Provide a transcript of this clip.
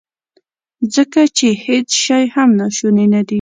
ځکه چې هیڅ شی هم ناشونی ندی.